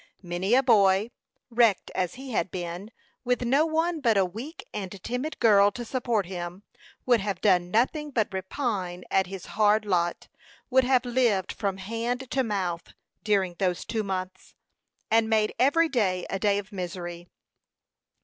Many a boy, wrecked as he had been, with no one but a weak and timid girl to support him, would have done nothing but repine at his hard lot; would have lived "from hand to mouth" during those two months, and made every day a day of misery.